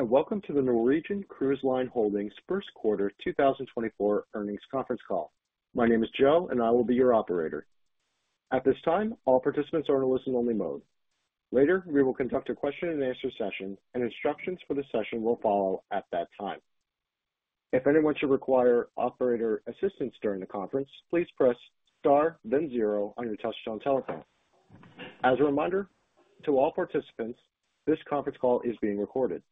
Welcome to the Norwegian Cruise Line Holdings First Quarter 2024 Earnings Conference Call. My name is Joe, and I will be your operator. At this time, all participants are in a listen-only mode. Later, we will conduct a question-and-answer session, and instructions for the session will follow at that time. If anyone should require operator assistance during the conference, please press star then zero on your touchtone telephone. As a reminder to all participants, this conference call is being recorded.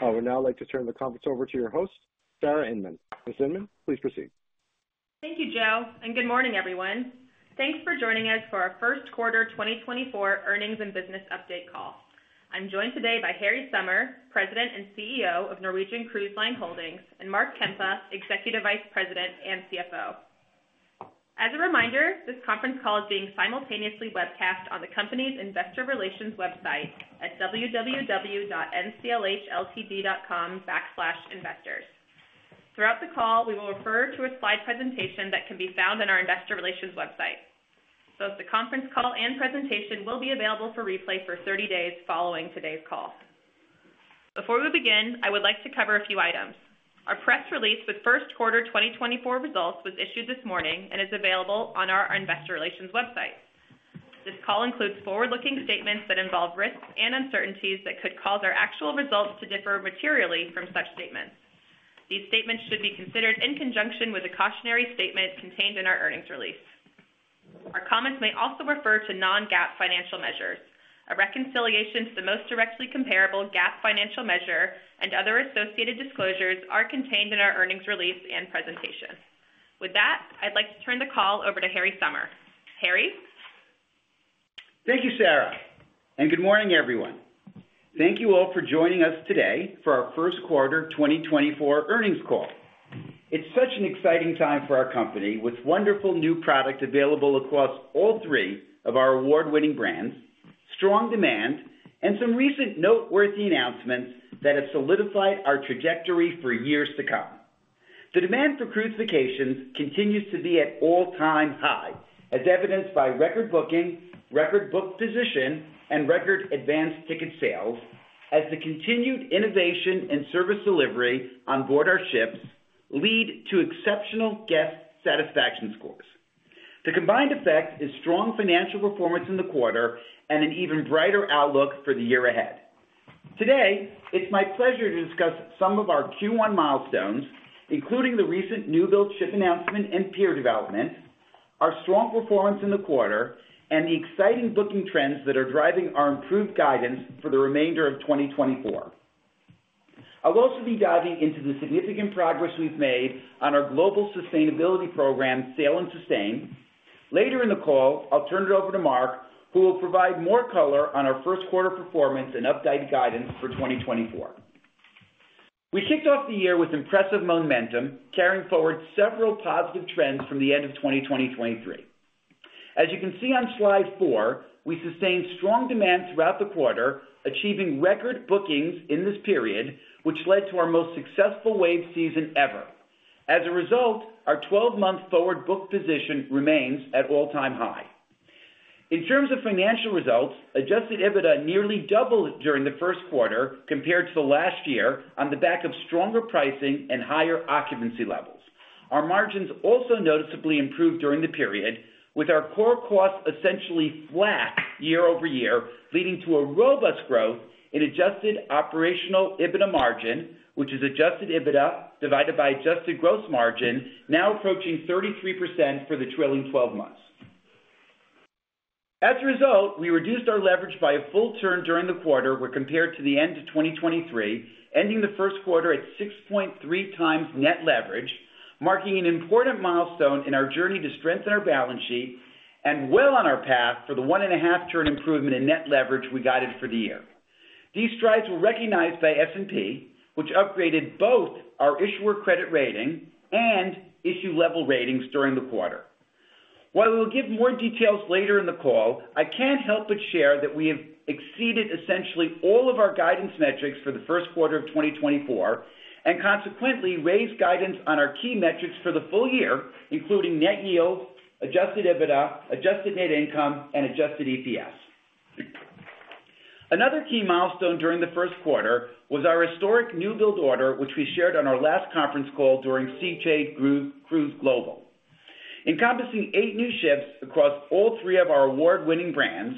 I would now like to turn the conference over to your host, Sarah Inman. Miss Inman, please proceed. Thank you, Joe, and good morning, everyone. Thanks for joining us for our first quarter 2024 earnings and business update call. I'm joined today by Harry Sommer, President and CEO of Norwegian Cruise Line Holdings, and Mark Kempa, Executive Vice President and CFO. As a reminder, this conference call is being simultaneously webcast on the company's investor relations website at www.nclhltd.com/investors. Throughout the call, we will refer to a slide presentation that can be found on our investor relations website. Both the conference call and presentation will be available for replay for 30 days following today's call. Before we begin, I would like to cover a few items. Our press release with first quarter 2024 results was issued this morning and is available on our investor relations website. This call includes forward-looking statements that involve risks and uncertainties that could cause our actual results to differ materially from such statements. These statements should be considered in conjunction with the cautionary statement contained in our earnings release. Our comments may also refer to non-GAAP financial measures. A reconciliation to the most directly comparable GAAP financial measure and other associated disclosures are contained in our earnings release and presentation. With that, I'd like to turn the call over to Harry Sommer. Harry? Thank you, Sarah, and good morning, everyone. Thank you all for joining us today for our first quarter 2024 earnings call. It's such an exciting time for our company, with wonderful new product available across all three of our award-winning brands, strong demand, and some recent noteworthy announcements that have solidified our trajectory for years to come. The demand for cruise vacations continues to be at all-time high, as evidenced by record booking, record book position, and record advance ticket sales, as the continued innovation and service delivery on board our ships lead to exceptional guest satisfaction scores. The combined effect is strong financial performance in the quarter and an even brighter outlook for the year ahead. Today, it's my pleasure to discuss some of our Q1 milestones, including the recent new build ship announcement and pier development, our strong performance in the quarter, and the exciting booking trends that are driving our improved guidance for the remainder of 2024. I'll also be diving into the significant progress we've made on our global sustainability program, Sail and Sustain. Later in the call, I'll turn it over to Mark, who will provide more color on our first quarter performance and updated guidance for 2024. We kicked off the year with impressive momentum, carrying forward several positive trends from the end of 2023. As you can see on slide 4, we sustained strong demand throughout the quarter, achieving record bookings in this period, which led to our most successful wave season ever. As a result, our twelve-month forward book position remains at all-time high. In terms of financial results, Adjusted EBITDA nearly doubled during the first quarter compared to last year on the back of stronger pricing and higher occupancy levels. Our margins also noticeably improved during the period, with our core costs essentially flat year-over-year, leading to a robust growth in adjusted operational EBITDA margin, which is Adjusted EBITDA divided by adjusted gross margin, now approaching 33% for the trailing twelve months. As a result, we reduced our leverage by a full turn during the quarter when compared to the end of 2023, ending the first quarter at 6.3x net leverage, marking an important milestone in our journey to strengthen our balance sheet and well on our path for the 1.5-turn improvement in net leverage we guided for the year. These strides were recognized by S&P, which upgraded both our issuer credit rating and issue level ratings during the quarter. While we'll give more details later in the call, I can't help but share that we have exceeded essentially all of our guidance metrics for the first quarter of 2024, and consequently raised guidance on our key metrics for the full year, including net yield, adjusted EBITDA, adjusted net income, and adjusted EPS. Another key milestone during the first quarter was our historic new build order, which we shared on our last conference call during Seatrade Cruise Global. Encompassing 8 new ships across all three of our award-winning brands,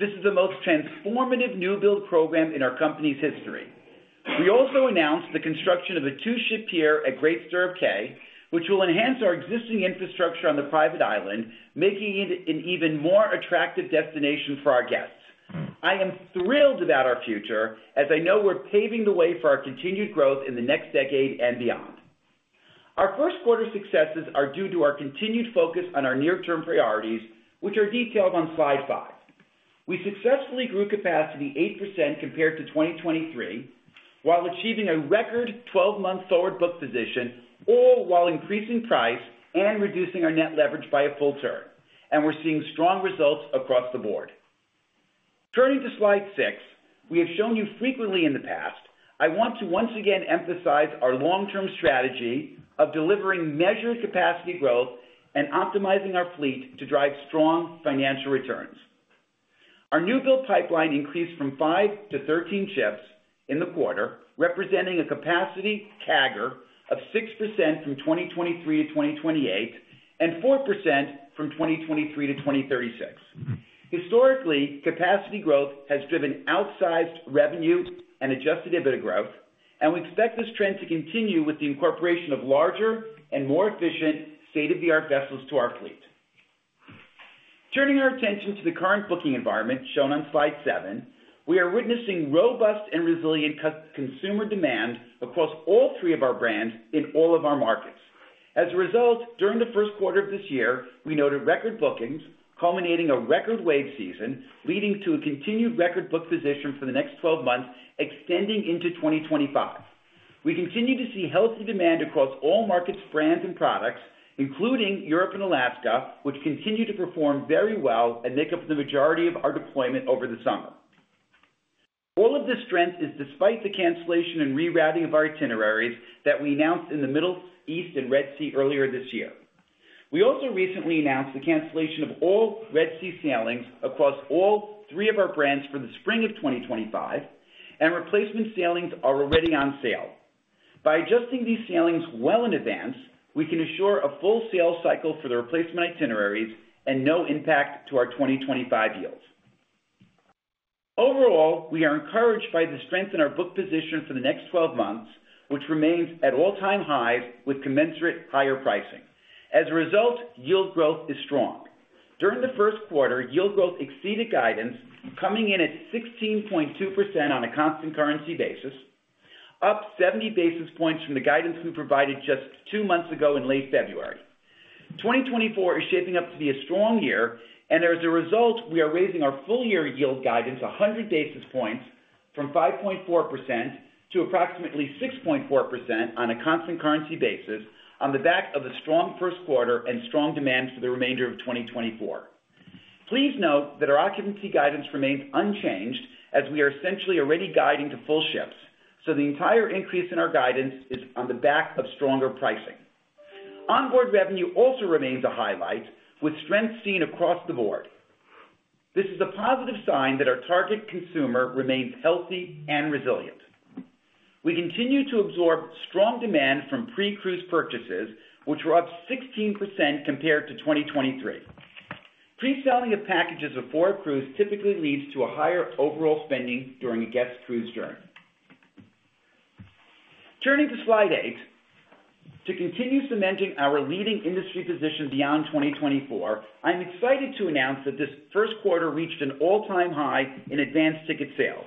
this is the most transformative new build program in our company's history. We also announced the construction of a two-ship pier at Great Stirrup Cay, which will enhance our existing infrastructure on the private island, making it an even more attractive destination for our guests. I am thrilled about our future, as I know we're paving the way for our continued growth in the next decade and beyond. Our first quarter successes are due to our continued focus on our near-term priorities, which are detailed on slide 5. We successfully grew capacity 8% compared to 2023, while achieving a record twelve-month forward book position, all while increasing price and reducing our net leverage by a full turn, and we're seeing strong results across the board. Turning to slide 6, we have shown you frequently in the past. I want to once again emphasize our long-term strategy of delivering measured capacity growth and optimizing our fleet to drive strong financial returns. Our new build pipeline increased from 5 to 13 ships in the quarter, representing a capacity CAGR of 6% from 2023 to 2028, and 4% from 2023 to 2036. Historically, capacity growth has driven outsized revenue and adjusted EBITDA growth, and we expect this trend to continue with the incorporation of larger and more efficient state-of-the-art vessels to our fleet. Turning our attention to the current booking environment, shown on slide 7, we are witnessing robust and resilient consumer demand across all three of our brands in all of our markets. As a result, during the first quarter of this year, we noted record bookings, culminating a record wave season, leading to a continued record book position for the next 12 months, extending into 2025. We continue to see healthy demand across all markets, brands and products, including Europe and Alaska, which continue to perform very well and make up the majority of our deployment over the summer. All of this strength is despite the cancellation and rerouting of our itineraries that we announced in the Middle East and Red Sea earlier this year. We also recently announced the cancellation of all Red Sea sailings across all three of our brands for the spring of 2025, and replacement sailings are already on sale. By adjusting these sailings well in advance, we can assure a full sales cycle for the replacement itineraries and no impact to our 2025 yields. Overall, we are encouraged by the strength in our book position for the next twelve months, which remains at all-time high, with commensurate higher pricing. As a result, yield growth is strong. During the first quarter, yield growth exceeded guidance, coming in at 16.2% on a constant currency basis, up 70 basis points from the guidance we provided just two months ago in late February. 2024 is shaping up to be a strong year, and as a result, we are raising our full-year yield guidance 100 basis points from 5.4% to approximately 6.4% on a constant currency basis on the back of the strong first quarter and strong demand for the remainder of 2024. Please note that our occupancy guidance remains unchanged as we are essentially already guiding to full ships, so the entire increase in our guidance is on the back of stronger pricing. Onboard revenue also remains a highlight, with strength seen across the board. This is a positive sign that our target consumer remains healthy and resilient. We continue to absorb strong demand from pre-cruise purchases, which were up 16% compared to 2023. Pre-selling of packages before a cruise typically leads to a higher overall spending during a guest's cruise journey. Turning to slide 8. To continue cementing our leading industry position beyond 2024, I'm excited to announce that this first quarter reached an all-time high in advance ticket sales.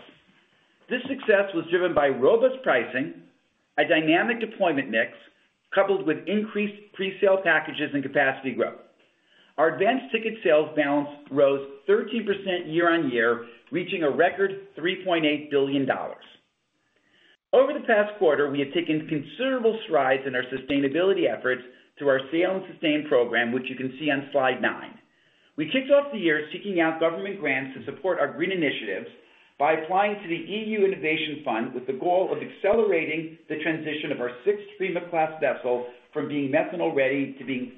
This success was driven by robust pricing, a dynamic deployment mix, coupled with increased presale packages and capacity growth. Our advance ticket sales balance rose 13% year-on-year, reaching a record $3.8 billion. Over the past quarter, we have taken considerable strides in our sustainability efforts through our Sail and Sustain program, which you can see on slide 9. We kicked off the year seeking out government grants to support our green initiatives by applying to the EU Innovation Fund with the goal of accelerating the transition of our six Prima Class vessels from being methanol-ready to being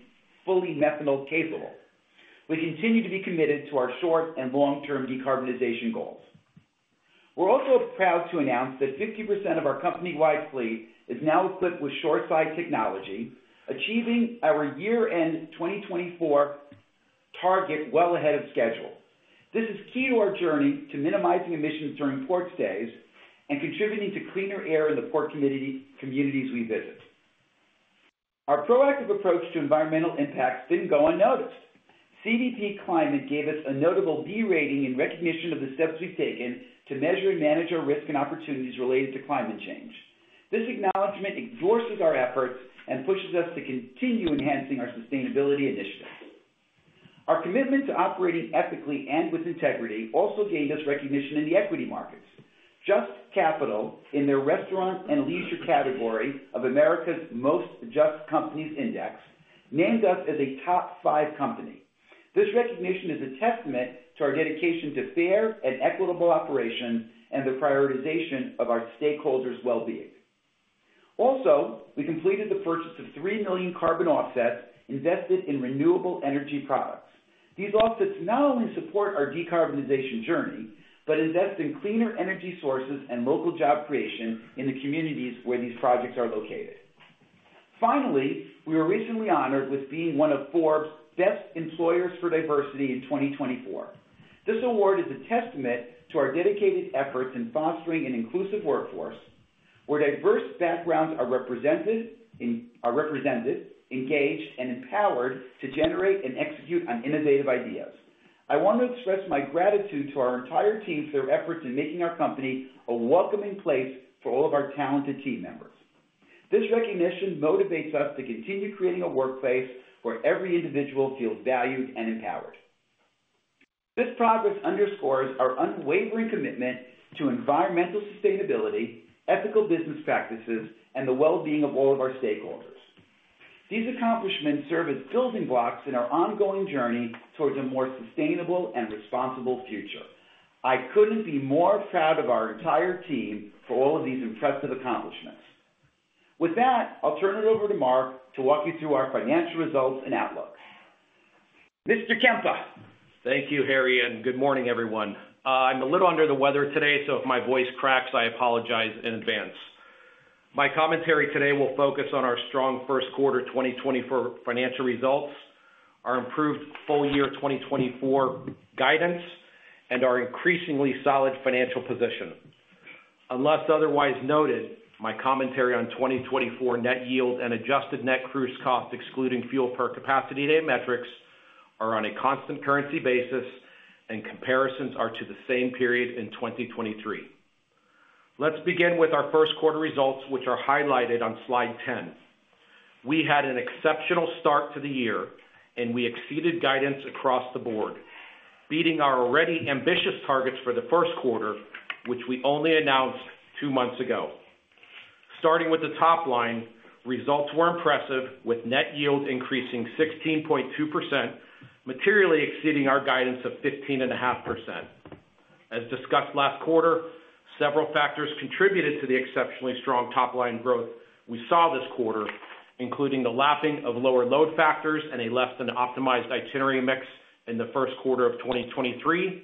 fully methanol-capable. We continue to be committed to our short- and long-term decarbonization goals. We're also proud to announce that 50% of our company-wide fleet is now equipped with shore-side technology, achieving our year-end 2024 target well ahead of schedule. This is key to our journey to minimizing emissions during port stays and contributing to cleaner air in the port community, communities we visit. Our proactive approach to environmental impact didn't go unnoticed. CDP Climate gave us a notable B rating in recognition of the steps we've taken to measure and manage our risk and opportunities related to climate change. This acknowledgment endorses our efforts and pushes us to continue enhancing our sustainability initiatives. Our commitment to operating ethically and with integrity also gained us recognition in the equity markets. JUST Capital, in their Restaurants & Leisure category of America's Most Just Companies Index, named us as a top 5 company. This recognition is a testament to our dedication to fair and equitable operations and the prioritization of our stakeholders' well-being. Also, we completed the purchase of 3 million carbon offsets invested in renewable energy products. These offsets not only support our decarbonization journey, but invest in cleaner energy sources and local job creation in the communities where these projects are located. Finally, we were recently honored with being one of Forbes' Best Employers for Diversity in 2024. This award is a testament to our dedicated efforts in fostering an inclusive workforce, where diverse backgrounds are represented, engaged, and empowered to generate and execute on innovative ideas. I want to express my gratitude to our entire team for their efforts in making our company a welcoming place for all of our talented team members. This recognition motivates us to continue creating a workplace where every individual feels valued and empowered. This progress underscores our unwavering commitment to environmental sustainability, ethical business practices, and the well-being of all of our stakeholders. These accomplishments serve as building blocks in our ongoing journey towards a more sustainable and responsible future. I couldn't be more proud of our entire team for all of these impressive accomplishments.... With that, I'll turn it over to Mark to walk you through our financial results and outlook. Mr. Kempa! Thank you, Harry, and good morning, everyone. I'm a little under the weather today, so if my voice cracks, I apologize in advance. My commentary today will focus on our strong first quarter 2024 financial results, our improved full year 2024 guidance, and our increasingly solid financial position. Unless otherwise noted, my commentary on 2024 net yield and adjusted net cruise cost, excluding fuel per capacity day metrics, are on a constant currency basis, and comparisons are to the same period in 2023. Let's begin with our first quarter results, which are highlighted on slide 10. We had an exceptional start to the year, and we exceeded guidance across the board, beating our already ambitious targets for the first quarter, which we only announced two months ago. Starting with the top line, results were impressive, with net yield increasing 16.2%, materially exceeding our guidance of 15.5%. As discussed last quarter, several factors contributed to the exceptionally strong top-line growth we saw this quarter, including the lapping of lower load factors and a less than optimized itinerary mix in the first quarter of 2023.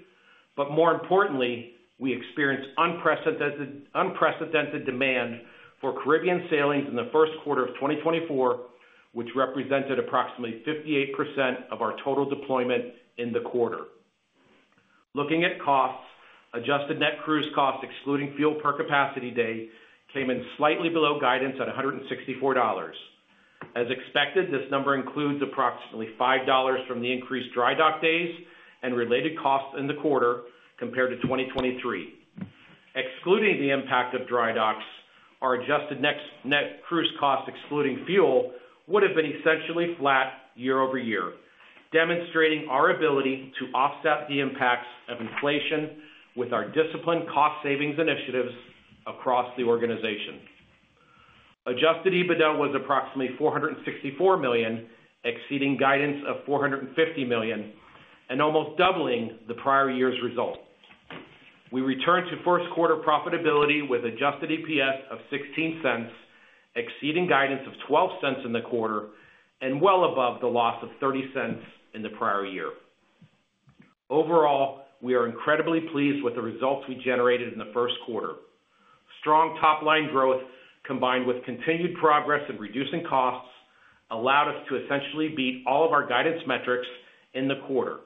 But more importantly, we experienced unprecedented demand for Caribbean sailings in the first quarter of 2024, which represented approximately 58% of our total deployment in the quarter. Looking at costs, adjusted net cruise costs, excluding fuel per capacity day, came in slightly below guidance at $164. As expected, this number includes approximately $5 from the increased dry dock days and related costs in the quarter compared to 2023. Excluding the impact of dry docks, our adjusted net cruise cost, excluding fuel, would have been essentially flat year-over-year, demonstrating our ability to offset the impacts of inflation with our disciplined cost savings initiatives across the organization. Adjusted EBITDA was approximately $464 million, exceeding guidance of $450 million and almost doubling the prior year's result. We returned to first quarter profitability with adjusted EPS of $0.16, exceeding guidance of $0.12 in the quarter and well above the loss of $0.30 in the prior year. Overall, we are incredibly pleased with the results we generated in the first quarter. Strong top-line growth, combined with continued progress in reducing costs, allowed us to essentially beat all of our guidance metrics in the quarter.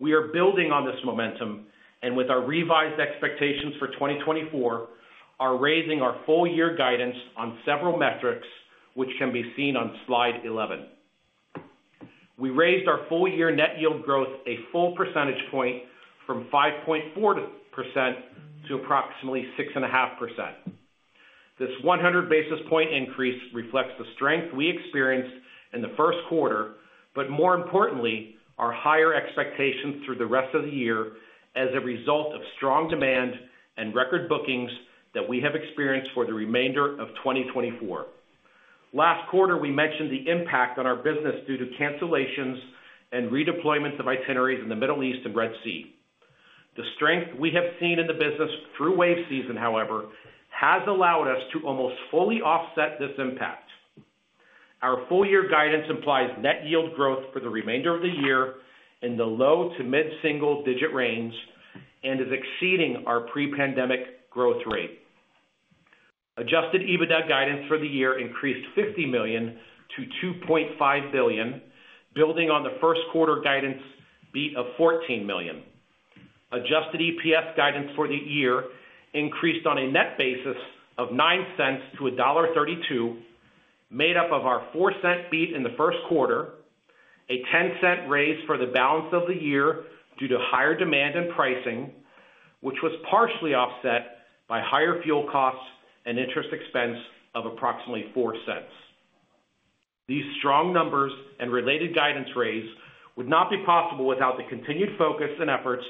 We are building on this momentum, and with our revised expectations for 2024, are raising our full year guidance on several metrics, which can be seen on Slide 11. We raised our full year net yield growth a full percentage point from 5.4% to approximately 6.5%. This 100 basis points increase reflects the strength we experienced in the first quarter, but more importantly, our higher expectations through the rest of the year as a result of strong demand and record bookings that we have experienced for the remainder of 2024. Last quarter, we mentioned the impact on our business due to cancellations and redeployments of itineraries in the Middle East and Red Sea. The strength we have seen in the business through wave season, however, has allowed us to almost fully offset this impact. Our full year guidance implies net yield growth for the remainder of the year in the low- to mid-single-digit range and is exceeding our pre-pandemic growth rate. Adjusted EBITDA guidance for the year increased $50 million to $2.5 billion, building on the first quarter guidance beat of $14 million. Adjusted EPS guidance for the year increased on a net basis of $0.09 to $1.32, made up of our $0.04 beat in the first quarter, a $0.10 raise for the balance of the year due to higher demand and pricing, which was partially offset by higher fuel costs and interest expense of approximately $0.04. These strong numbers and related guidance raise would not be possible without the continued focus and efforts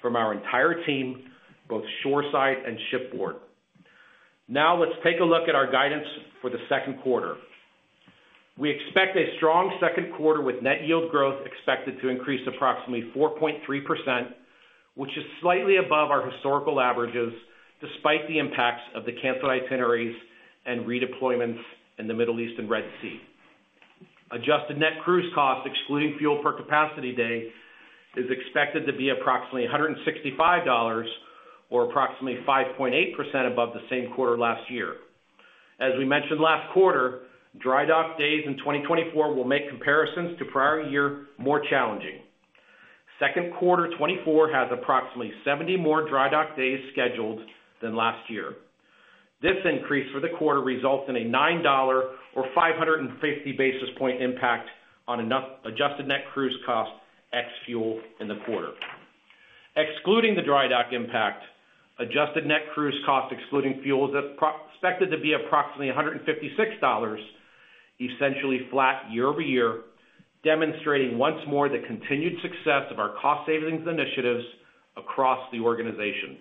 from our entire team, both shoreside and shipboard. Now, let's take a look at our guidance for the second quarter. We expect a strong second quarter, with Net Yield growth expected to increase approximately 4.3%, which is slightly above our historical averages, despite the impacts of the canceled itineraries and redeployments in the Middle East and Red Sea. Adjusted Net Cruise Costs, excluding fuel per capacity day, is expected to be approximately $165 or approximately 5.8% above the same quarter last year. As we mentioned last quarter, Dry Dock days in 2024 will make comparisons to prior year more challenging. Second quarter 2024 has approximately 70 more Dry Dock days scheduled than last year. This increase for the quarter results in a $9 or 550 basis point impact on adjusted net cruise cost ex-fuel in the quarter. Excluding the dry dock impact, adjusted net cruise cost, excluding fuel, is expected to be approximately $156, essentially flat year-over-year, demonstrating once more the continued success of our cost savings initiatives across the organization.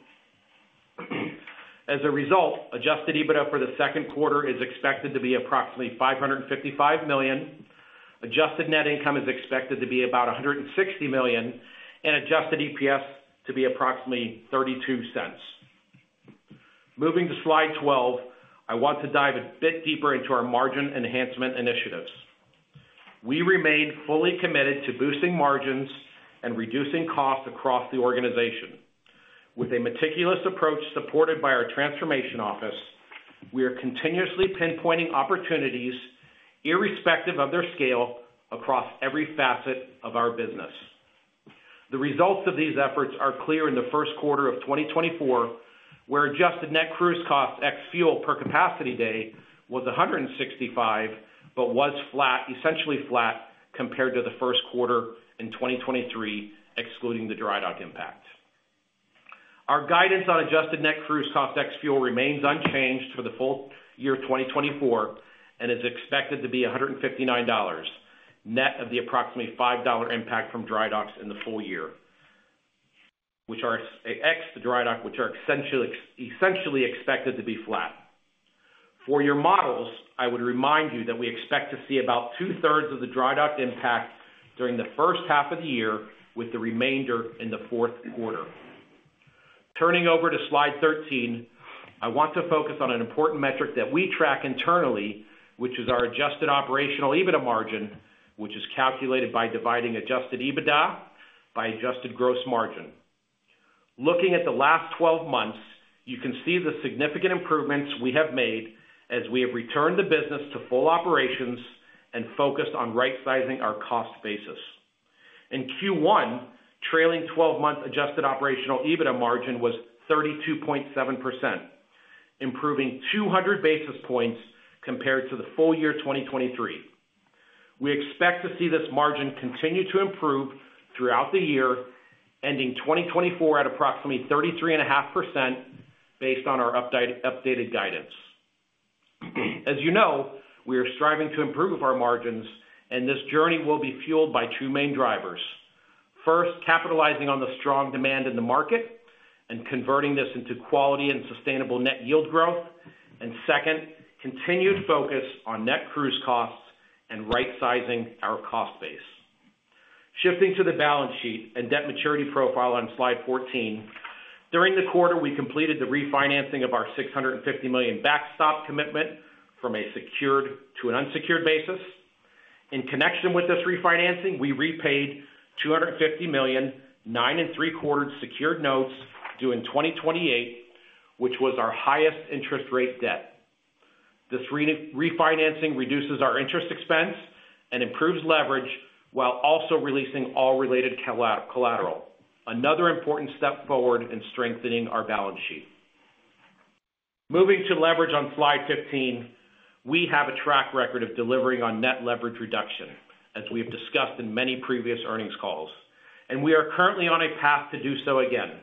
As a result, Adjusted EBITDA for the second quarter is expected to be approximately $555 million, adjusted net income is expected to be about $160 million, and adjusted EPS to be approximately $0.32. Moving to slide 12, I want to dive a bit deeper into our margin enhancement initiatives. We remain fully committed to boosting margins and reducing costs across the organization. With a meticulous approach supported by our Transformation Office we are continuously pinpointing opportunities, irrespective of their scale, across every facet of our business. The results of these efforts are clear in the first quarter of 2024, where adjusted net cruise costs ex-fuel per capacity day was 165, but was flat, essentially flat, compared to the first quarter in 2023, excluding the dry dock impact. Our guidance on adjusted net cruise cost ex-fuel remains unchanged for the full year of 2024, and is expected to be $159, net of the approximately $5 impact from dry docks in the full year, which are ex the dry dock, which are essentially, essentially expected to be flat. For your models, I would remind you that we expect to see about two-thirds of the dry dock impact during the first half of the year, with the remainder in the fourth quarter. Turning over to slide 13, I want to focus on an important metric that we track internally, which is our adjusted operational EBITDA margin, which is calculated by dividing adjusted EBITDA by adjusted gross margin. Looking at the last 12 months, you can see the significant improvements we have made as we have returned the business to full operations and focused on right-sizing our cost basis. In Q1, trailing-twelve-month adjusted operational EBITDA margin was 32.7%, improving 200 basis points compared to the full year 2023. We expect to see this margin continue to improve throughout the year, ending 2024 at approximately 33.5% based on our updated guidance. As you know, we are striving to improve our margins, and this journey will be fueled by two main drivers. First, capitalizing on the strong demand in the market and converting this into quality and sustainable net yield growth. Second, continued focus on net cruise costs and right-sizing our cost base. Shifting to the balance sheet and debt maturity profile on slide 14. During the quarter, we completed the refinancing of our $650 million backstop commitment from a secured to an unsecured basis. In connection with this refinancing, we repaid $250 million 9.75% secured notes due in 2028, which was our highest interest rate debt. This refinancing reduces our interest expense and improves leverage, while also releasing all related collateral. Another important step forward in strengthening our balance sheet. Moving to leverage on slide 15, we have a track record of delivering on net leverage reduction, as we have discussed in many previous earnings calls, and we are currently on a path to do so again.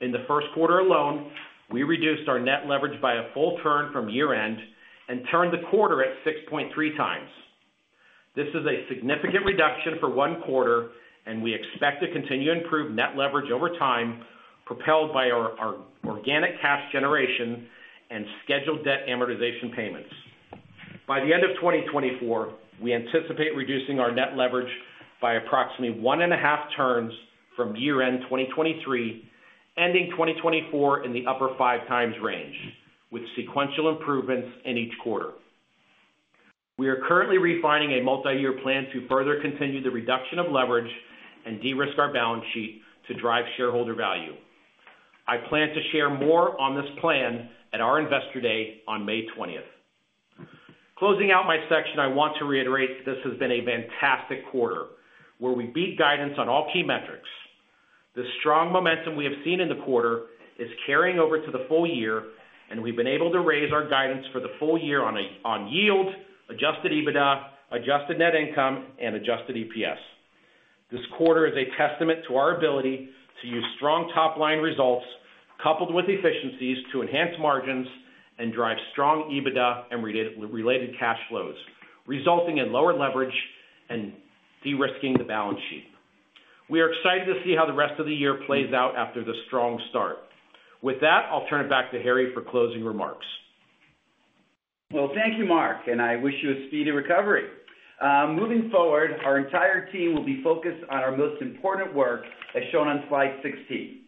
In the first quarter alone, we reduced our net leverage by a full turn from year-end and turned the quarter at 6.3x. This is a significant reduction for one quarter, and we expect to continue to improve net leverage over time, propelled by our organic cash generation and scheduled debt amortization payments. By the end of 2024, we anticipate reducing our net leverage by approximately 1.5 turns from year-end 2023, ending 2024 in the upper 5x range, with sequential improvements in each quarter. We are currently refining a multi-year plan to further continue the reduction of leverage and de-risk our balance sheet to drive shareholder value. I plan to share more on this plan at our Investor Day on May 20th. Closing out my section, I want to reiterate this has been a fantastic quarter, where we beat guidance on all key metrics. The strong momentum we have seen in the quarter is carrying over to the full year, and we've been able to raise our guidance for the full year on yield, adjusted EBITDA, adjusted net income, and adjusted EPS. This quarter is a testament to our ability to use strong top-line results, coupled with efficiencies, to enhance margins and drive strong EBITDA and related cash flows, resulting in lower leverage and de-risking the balance sheet. We are excited to see how the rest of the year plays out after this strong start. With that, I'll turn it back to Harry for closing remarks. Well, thank you, Mark, and I wish you a speedy recovery. Moving forward, our entire team will be focused on our most important work, as shown on slide 16.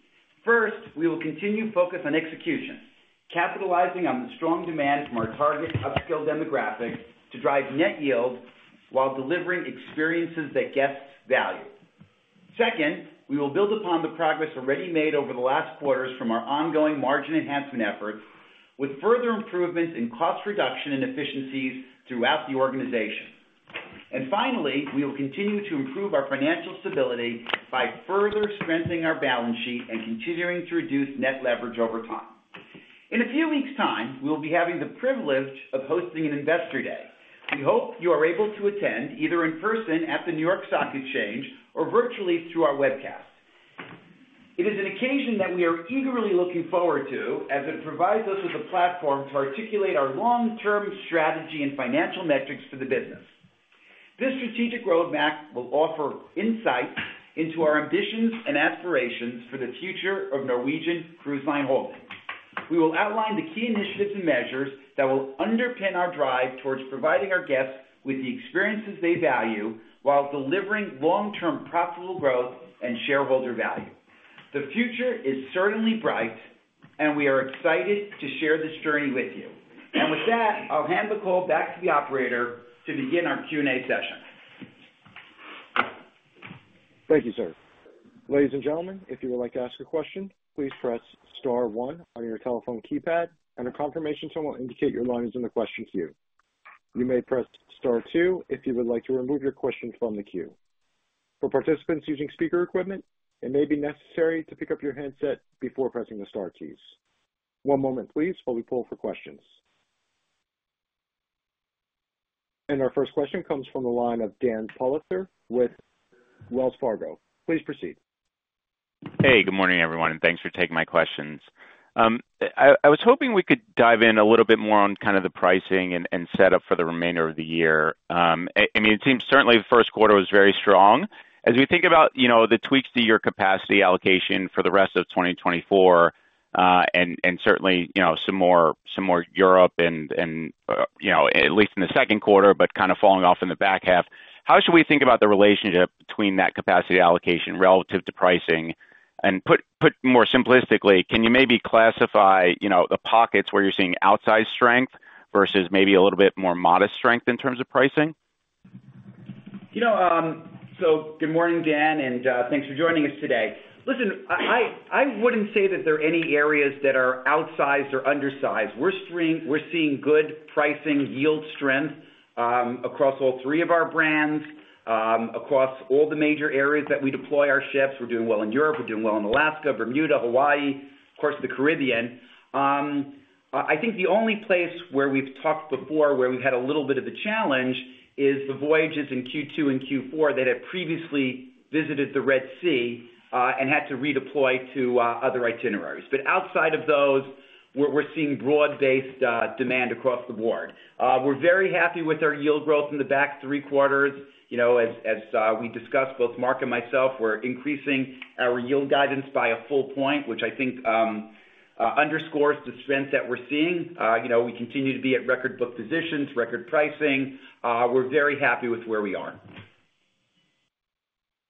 First, we will continue to focus on execution, capitalizing on the strong demand from our target upscale demographic to drive net yield while delivering experiences that guests value. Second, we will build upon the progress already made over the last quarters from our ongoing margin enhancement efforts, with further improvements in cost reduction and efficiencies throughout the organization. And finally, we will continue to improve our financial stability by further strengthening our balance sheet and continuing to reduce net leverage over time. In a few weeks' time, we will be having the privilege of hosting an Investor Day. We hope you are able to attend either in person at the New York Stock Exchange or virtually through our webcast. It is an occasion that we are eagerly looking forward to, as it provides us with a platform to articulate our long-term strategy and financial metrics for the business. This strategic roadmap will offer insight into our ambitions and aspirations for the future of Norwegian Cruise Line Holdings. We will outline the key initiatives and measures that will underpin our drive towards providing our guests with the experiences they value, while delivering long-term profitable growth and shareholder value. The future is certainly bright, and we are excited to share this journey with you. With that, I'll hand the call back to the operator to begin our Q&A session. Thank you, sir. Ladies and gentlemen, if you would like to ask a question, please press star one on your telephone keypad, and a confirmation tone will indicate your line is in the question queue. You may press star two if you would like to remove your question from the queue. For participants using speaker equipment, it may be necessary to pick up your handset before pressing the star keys. One moment please, while we poll for questions. Our first question comes from the line of Daniel Politzer with Wells Fargo. Please proceed. Hey, good morning, everyone, and thanks for taking my questions. I was hoping we could dive in a little bit more on kind of the pricing and set up for the remainder of the year. I mean, it seems certainly the first quarter was very strong. As we think about, you know, the tweaks to your capacity allocation for the rest of 2024, and certainly, you know, some more Europe and you know, at least in the second quarter, but kind of falling off in the back half. How should we think about the relationship between that capacity allocation relative to pricing? And put more simplistically, can you maybe classify, you know, the pockets where you're seeing outsized strength versus maybe a little bit more modest strength in terms of pricing? You know, so good morning, Dan, and, thanks for joining us today. Listen, I wouldn't say that there are any areas that are outsized or undersized. We're seeing good pricing yield strength, across all three of our brands, across all the major areas that we deploy our ships. We're doing well in Europe, we're doing well in Alaska, Bermuda, Hawaii, of course, the Caribbean. I think the only place where we've talked before, where we've had a little bit of a challenge is the voyages in Q2 and Q4 that had previously visited the Red Sea, and had to redeploy to, other itineraries. But outside of those, we're seeing broad-based, demand across the board. We're very happy with our yield growth in the back three quarters. You know, as we discussed, both Mark and myself, we're increasing our yield guidance by a full point, which I think underscores the strength that we're seeing. You know, we continue to be at record book positions, record pricing. We're very happy with where we are.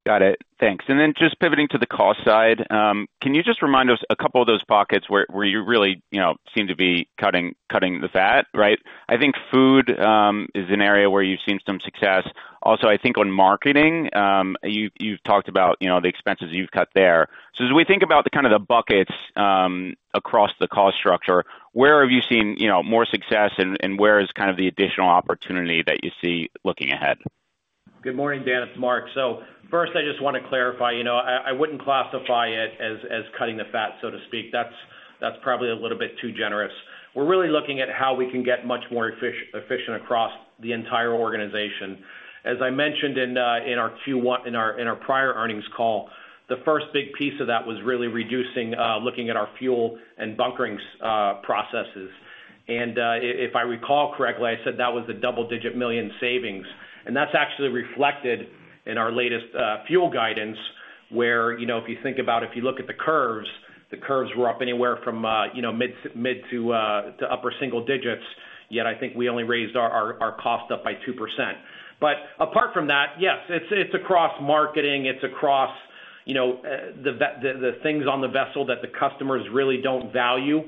Got it. Thanks. And then just pivoting to the cost side, can you just remind us a couple of those pockets where you really, you know, seem to be cutting the fat, right? I think food is an area where you've seen some success. Also, I think on marketing, you, you've talked about, you know, the expenses you've cut there. So as we think about the kind of the buckets across the cost structure, where have you seen, you know, more success and where is kind of the additional opportunity that you see looking ahead? Good morning, Dan, it's Mark. So first, I just want to clarify, you know, I wouldn't classify it as cutting the fat, so to speak. That's probably a little bit too generous. We're really looking at how we can get much more efficient across the entire organization. As I mentioned in our Q1 in our prior earnings call, the first big piece of that was really reducing looking at our fuel and bunkering processes. And if I recall correctly, I said that was a double-digit million savings, and that's actually reflected in our latest fuel guidance, where, you know, if you think about it, if you look at the curves, the curves were up anywhere from you know mid- to upper single digits. Yet, I think we only raised our cost up by 2%. But apart from that, yes, it's across marketing, it's across, you know, the things on the vessel that the customers really don't value.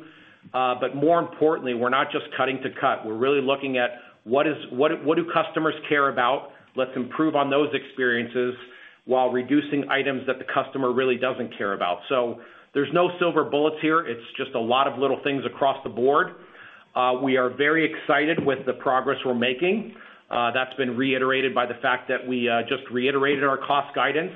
But more importantly, we're not just cutting to cut. We're really looking at what is? what do customers care about? Let's improve on those experiences while reducing items that the customer really doesn't care about. So there's no silver bullets here. It's just a lot of little things across the board. We are very excited with the progress we're making. That's been reiterated by the fact that we just reiterated our cost guidance,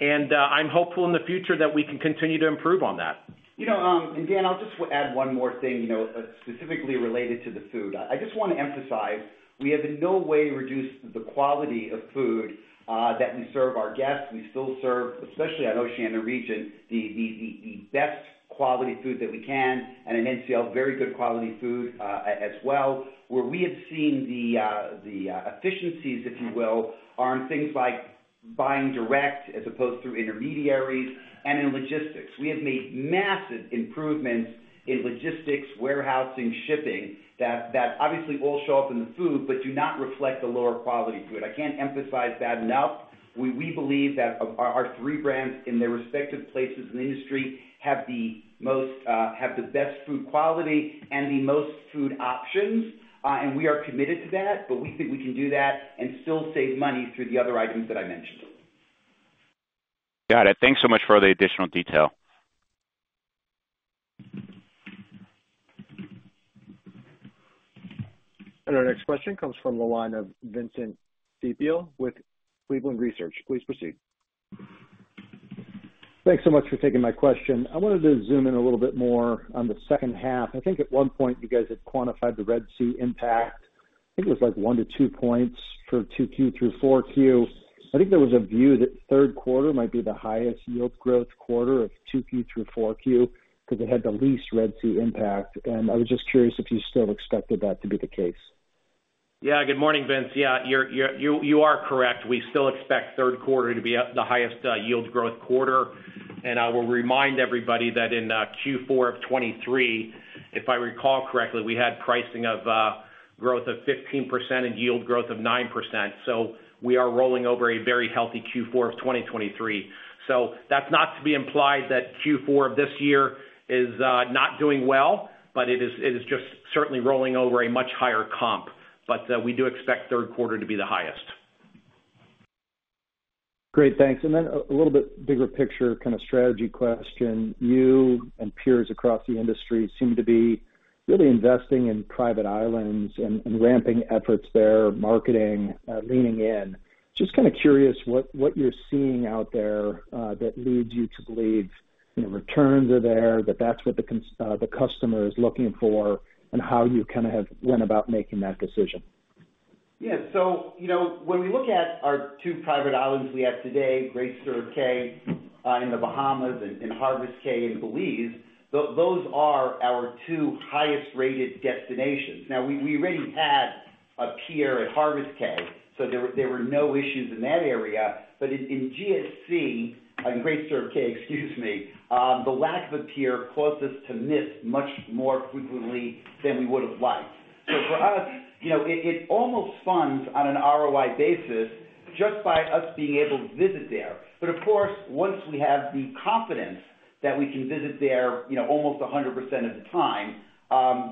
and I'm hopeful in the future that we can continue to improve on that. You know, and Dan, I'll just add one more thing, you know, specifically related to the food. I just want to emphasize, we have in no way reduced the quality of food that we serve our guests. We still serve, especially on Oceania, Regent, the best quality food that we can, and in NCL, very good quality food, as well. Where we have seen the efficiencies, if you will, are on things like buying direct as opposed to intermediaries and in logistics. We have made massive improvements in logistics, warehousing, shipping, that obviously all show up in the food, but do not reflect the lower quality food. I can't emphasize that enough. We believe that our three brands in their respective places in the industry have the best food quality and the most food options, and we are committed to that, but we think we can do that and still save money through the other items that I mentioned. Got it. Thanks so much for the additional detail. Our next question comes from the line of Vince Ciepiel, with Cleveland Research. Please proceed. Thanks so much for taking my question. I wanted to zoom in a little bit more on the second half. I think at one point, you guys had quantified the Red Sea impact. I think it was like 1-2 points for 2Q through 4Q. I think there was a view that third quarter might be the highest yield growth quarter of 2Q through 4Q, because it had the least Red Sea impact, and I was just curious if you still expected that to be the case? Yeah, good morning, Vince. Yeah, you are correct. We still expect third quarter to be the highest yield growth quarter. And I will remind everybody that in Q4 of 2023, if I recall correctly, we had pricing growth of 15% and yield growth of 9%. So we are rolling over a very healthy Q4 of 2023. So that's not to be implied that Q4 of this year is not doing well, but it is just certainly rolling over a much higher comp. But we do expect third quarter to be the highest. Great, thanks. And then a little bit bigger picture, kind of strategy question. You and peers across the industry seem to be really investing in private islands and ramping efforts there, marketing, leaning in. Just kind of curious what you're seeing out there that leads you to believe the returns are there, that that's what the customer is looking for, and how you kind of have went about making that decision? Yeah. So, you know, when we look at our two private islands we have today, Great Stirrup Cay in the Bahamas and Harvest Caye in Belize, those are our two highest-rated destinations. Now, we already had a pier at Harvest Caye, so there were no issues in that area. But in GSC, Great Stirrup Cay, excuse me, the lack of a pier caused us to miss much more frequently than we would've liked. So for us, you know, it almost funds on an ROI basis just by us being able to visit there. But of course, once we have the confidence that we can visit there, you know, almost 100% of the time,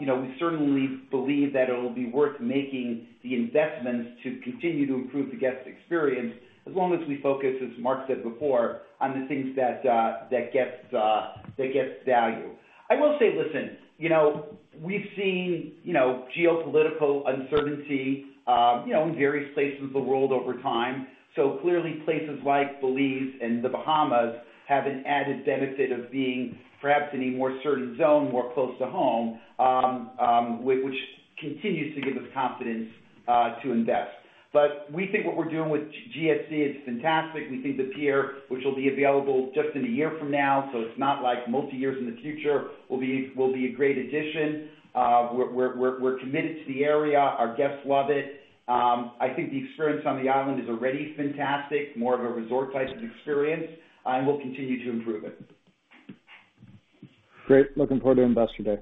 you know, we certainly believe that it'll be worth making the investments to continue to improve the guest experience, as long as we focus, as Mark said before, on the things that that gets value. I will say, listen, you know, we've seen, you know, geopolitical uncertainty, you know, in various places of the world over time. So clearly, places like Belize and the Bahamas have an added benefit of being perhaps in a more certain zone, more close to home, which continues to give us confidence to invest. But we think what we're doing with GSC is fantastic. We think the pier, which will be available just in a year from now, so it's not like multi years in the future, will be a great addition. We're committed to the area. Our guests love it. I think the experience on the island is already fantastic, more of a resort type of experience, and we'll continue to improve it. Great. Looking forward to Investor Day.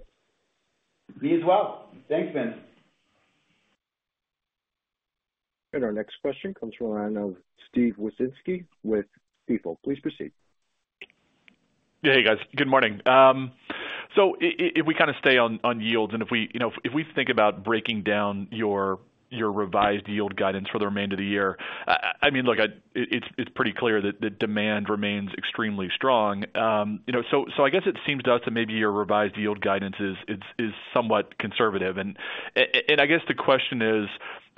Me as well. Thanks, Vince. Our next question comes from the line of Steve Wieczynski with Stifel. Please proceed. Yeah. Hey, guys. Good morning. So if we kind of stay on yields, and if we, you know, if we think about breaking down your revised yield guidance for the remainder of the year, I mean, look, it's pretty clear that the demand remains extremely strong. You know, so I guess it seems to us that maybe your revised yield guidance is somewhat conservative. And I guess the question is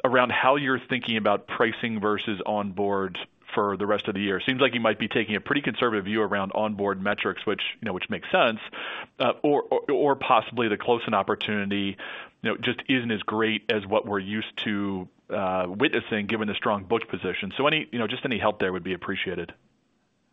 around how you're thinking about pricing versus onboard for the rest of the year. Seems like you might be taking a pretty conservative view around onboard metrics, which, you know, makes sense, or possibly the close-in opportunity, you know, just isn't as great as what we're used to witnessing, given the strong book position. So any, you know, just any help there would be appreciated.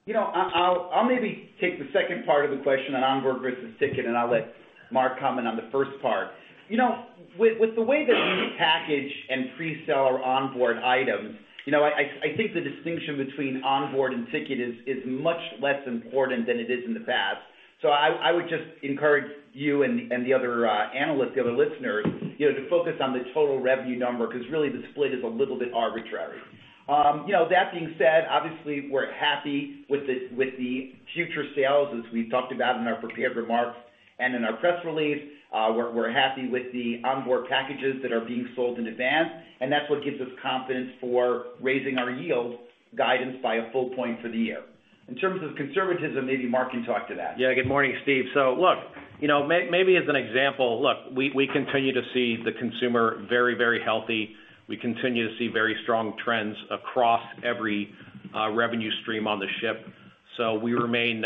You know, I'll maybe take the second part of the question on onboard versus ticket, and I'll let Mark comment on the first part. You know, with the way that we package and pre-sell our onboard items, you know, I think the distinction between onboard and ticket is much less important than it is in the past. So I would just encourage you and the other analysts, the other listeners, you know, to focus on the total revenue number, 'cause really the split is a little bit arbitrary. You know, that being said, obviously, we're happy with the future sales, as we've talked about in our prepared remarks and in our press release. We're happy with the onboard packages that are being sold in advance, and that's what gives us confidence for raising our yield guidance by a full point for the year. In terms of conservatism, maybe Mark can talk to that. Yeah. Good morning, Steve. So look, you know, maybe as an example, look, we continue to see the consumer very, very healthy. We continue to see very strong trends across every revenue stream on the ship. So we remain,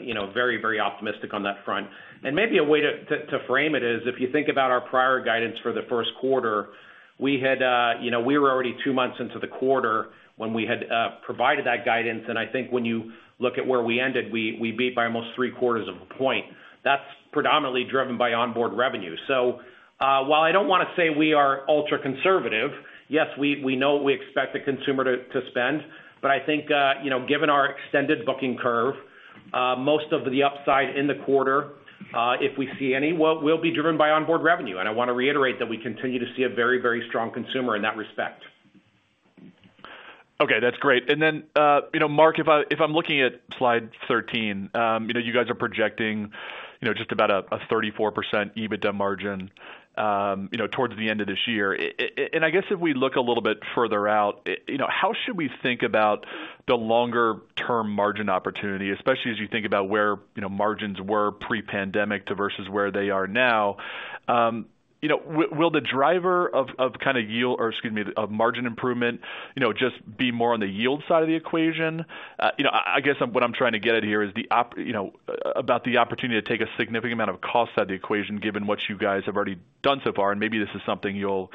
you know, very, very optimistic on that front. And maybe a way to frame it is, if you think about our prior guidance for the first quarter, we had, you know, we were already two months into the quarter when we had provided that guidance, and I think when you look at where we ended, we beat by almost three-quarters of a point. That's predominantly driven by onboard revenue. So while I don't wanna say we are ultra-conservative, yes, we know what we expect the consumer to spend. I think, you know, given our extended booking curve, most of the upside in the quarter, if we see any, will be driven by onboard revenue. And I wanna reiterate that we continue to see a very, very strong consumer in that respect. Okay, that's great. And then, you know, Mark, if I, if I'm looking at slide 13, you know, you guys are projecting, you know, just about a 34% EBITDA margin, you know, towards the end of this year. And I guess if we look a little bit further out, you know, how should we think about the longer-term margin opportunity, especially as you think about where, you know, margins were pre-pandemic to versus where they are now? You know, will the driver of, of kind of yield, or excuse me, of margin improvement, you know, just be more on the yield side of the equation? You know, I guess what I'm trying to get at here is, you know, about the opportunity to take a significant amount of cost out of the equation, given what you guys have already done so far, and maybe this is something you'll,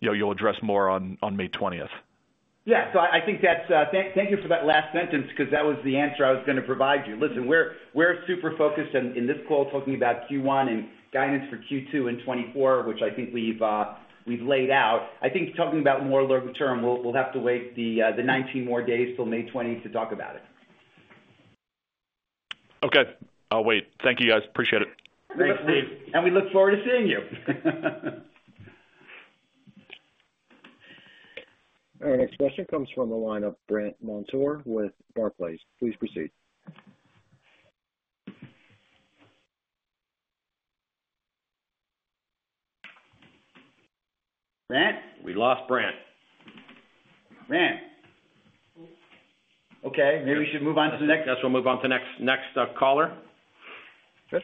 you know, you'll address more on, on May twentieth. Yeah, so I think that's thank you for that last sentence, because that was the answer I was going to provide you. Listen, we're super focused on, in this call, talking about Q1 and guidance for Q2 in 2024, which I think we've laid out. I think talking about more longer term, we'll have to wait the 19 more days till May 20 to talk about it. Okay, I'll wait. Thank you, guys. Appreciate it. Thanks, Steve. And we look forward to seeing you. Our next question comes from the line of Brandt Montour with Barclays. Please proceed. Brent? We lost Brent. Brent. Okay, maybe we should move on to the next- Guess we'll move on to the next caller. Sure.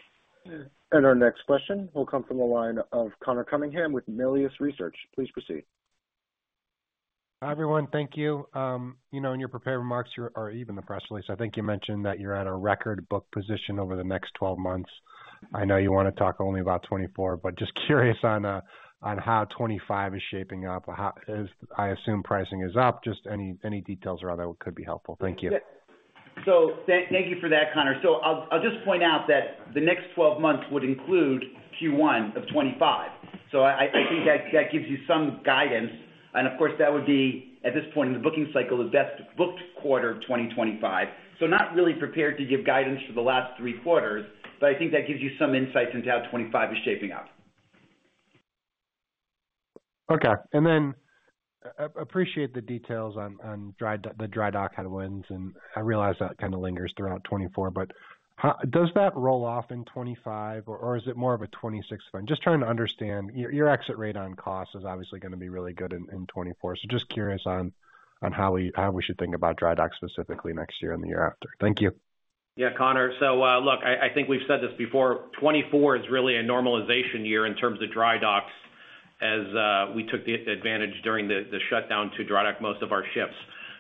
Our next question will come from the line of Conor Cunningham with Melius Research. Please proceed. Hi, everyone. Thank you. You know, in your prepared remarks, or even the press release, I think you mentioned that you're at a record book position over the next 12 months. I know you want to talk only about 2024, but just curious on, on how 2025 is shaping up or how. I assume pricing is up. Just any, any details or other could be helpful. Thank you. So thank you for that, Conor. So I'll just point out that the next 12 months would include Q1 of 2025. So I think that gives you some guidance. And of course, that would be, at this point in the booking cycle, the best booked quarter of 2025. So not really prepared to give guidance for the last three quarters, but I think that gives you some insights into how 2025 is shaping up. Okay. And then appreciate the details on the dry dock headwinds, and I realize that kind of lingers throughout 2024, but how does that roll off in 2025, or is it more of a 2026? I'm just trying to understand. Your exit rate on costs is obviously going to be really good in 2024. So just curious on how we should think about dry dock specifically next year and the year after. Thank you. Yeah, Conor. So, look, I, I think we've said this before, 2024 is really a normalization year in terms of dry docks, as, we took the advantage during the, the shutdown to dry dock most of our ships.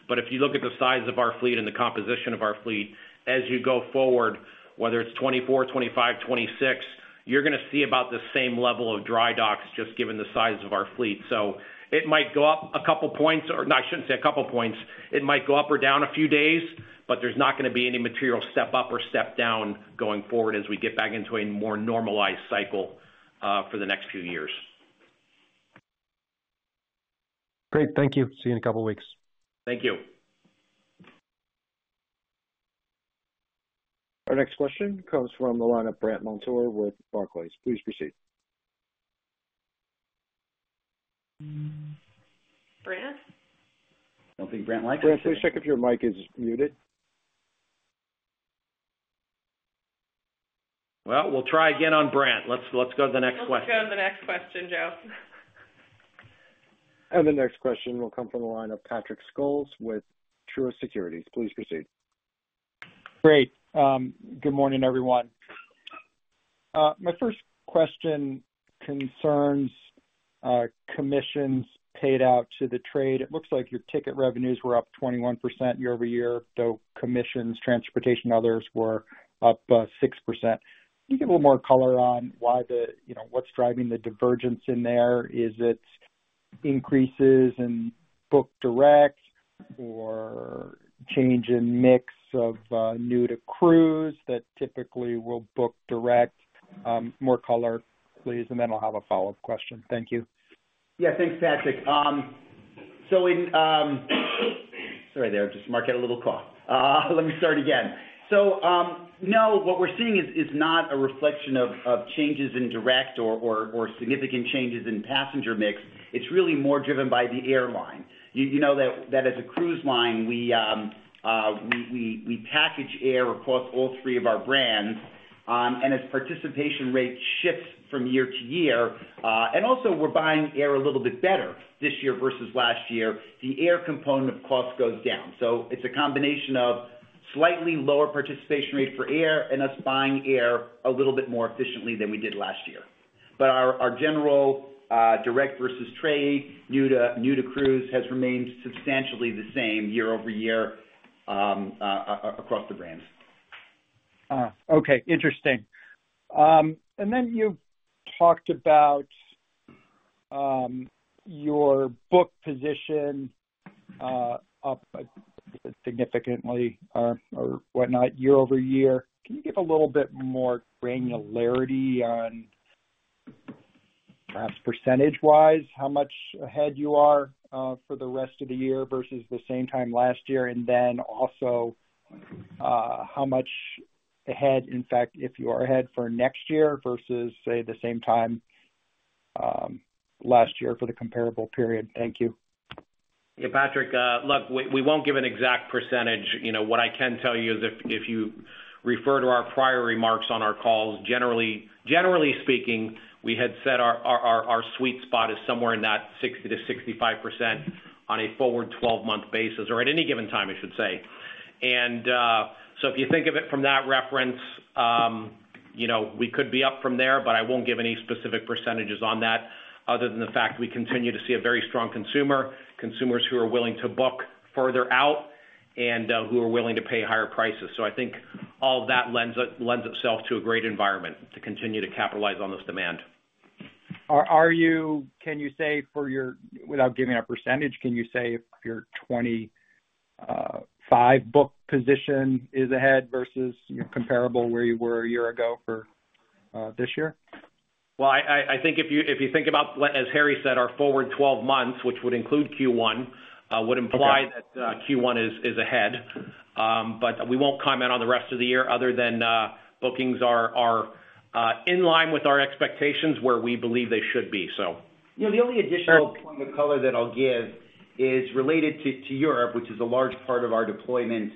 But if you look at the size of our fleet and the composition of our fleet, as you go forward, whether it's 2024, 2025, 2026, you're going to see about the same level of dry docks, just given the size of our fleet. So it might go up a couple points or- no, I shouldn't say a couple of points. It might go up or down a few days, but there's not going to be any material step up or step down going forward as we get back into a more normalized cycle, for the next few years. Great. Thank you. See you in a couple of weeks. Thank you. Our next question comes from the line of Brandt Montour with Barclays. Please proceed. Brent? I don't think Brandt likes- Brent, please check if your mic is muted. Well, we'll try again on Brandt. Let's, let's go to the next question. Let's go to the next question, Joe. The next question will come from the line of Patrick Scholes with Truist Securities. Please proceed. Great. Good morning, everyone. My first question concerns commissions paid out to the trade. It looks like your ticket revenues were up 21% year-over-year, though commissions, transportation, others were up 6%. Can you give a little more color on why the, you know, what's driving the divergence in there? Is it increases in book direct or change in mix of new to cruise that typically will book direct? More color, please, and then I'll have a follow-up question. Thank you. Yeah. Thanks, Patrick. Sorry, there, just had a little cough. Let me start again. So, no, what we're seeing is not a reflection of changes in demand or significant changes in passenger mix. It's really more driven by the airline. You know that as a cruise line, we package air across all three of our brands, and as participation rate shifts from year to year, and also we're buying air a little bit better this year versus last year, the air component cost goes down. So it's a combination of slightly lower participation rate for air and us buying air a little bit more efficiently than we did last year. But our general direct versus trade, new to cruise, has remained substantially the same year-over-year across the brands. Okay, interesting. And then you talked about your book position up significantly or whatnot, year-over-year. Can you give a little bit more granularity on perhaps percentage-wise, how much ahead you are for the rest of the year versus the same time last year? And then also, how much ahead, in fact, if you are ahead for next year versus, say, the same time last year for the comparable period? Thank you. Yeah, Patrick, look, we won't give an exact percentage. You know, what I can tell you is if you refer to our prior remarks on our calls, generally speaking, we had said our sweet spot is somewhere in that 60%-65% on a forward 12-month basis, or at any given time, I should say. And so if you think of it from that reference, you know, we could be up from there, but I won't give any specific percentages on that other than the fact we continue to see a very strong consumer, consumers who are willing to book further out and who are willing to pay higher prices. So I think all that lends itself to a great environment to continue to capitalize on this demand. Are you, can you say for your, without giving a percentage, can you say if your 25 book position is ahead versus your comparable where you were a year ago for this year? Well, I think if you think about, as Harry said, our forward 12 months, which would include Q1, would imply- Okay. Q1 is ahead. But we won't comment on the rest of the year other than bookings are in line with our expectations, where we believe they should be, so. Yeah, the only additional point of color that I'll give is related to Europe, which is a large part of our deployment